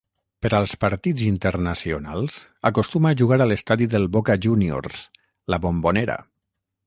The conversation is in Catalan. Per als partits internacionals acostuma a jugar a l'estadi del Boca Juniors, La Bombonera.